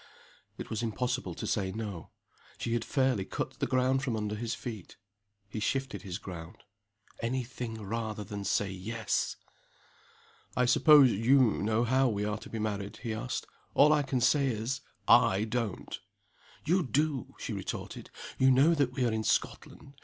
It was impossible to say No: she had fairly cut the ground from under his feet. He shifted his ground. Any thing rather than say Yes! "I suppose you know how we are to be married?" he asked. "All I can say is I don't." "You do!" she retorted. "You know that we are in Scotland.